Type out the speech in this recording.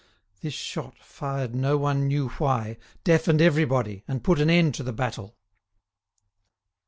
This shot, fired no one knew why, deafened everybody, and put an end to the battle.